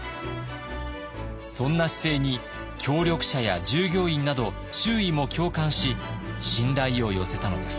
そんな姿勢に協力者や従業員など周囲も共感し信頼を寄せたのです。